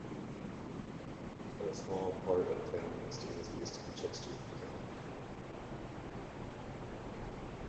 A small part of the town extends east into Chester County.